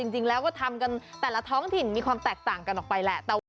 จริงแล้วก็ทำกันแต่ละท้องถิ่นมีความแตกต่างกันออกไปแหละ